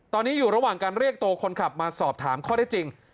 ตอนนี้อยู่ระหว่างการเรียกตัวคนขับมาสอบถามข้อได้จริง